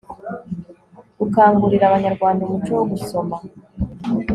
gukangurira abanyarwanda umuco wo gusoma